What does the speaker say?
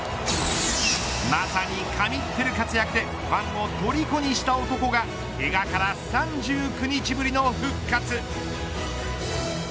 まさに神ってる活躍でファンを虜にした男がけがから、３９日ぶりの復活。